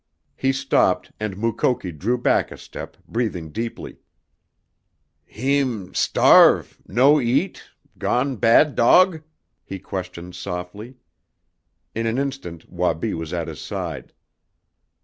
He stopped, and Mukoki drew back a step, breathing deeply. "Heem starve no eat gone bad dog?" he questioned softly. In an instant Wabi was at his side.